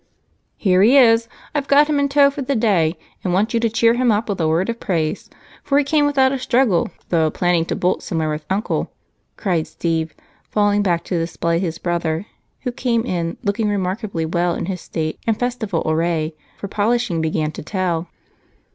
"Here he is. I've got him in tow for the day and want you to cheer him up with a word of praise, for he came without a struggle though planning to bolt somewhere with Uncle," cried Steve, falling back to display his brother, who came in looking remarkably well in his state and festival array, for polishing had begun to tell.